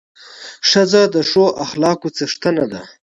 ښځه د ښو اخلاقو څښتنه ده.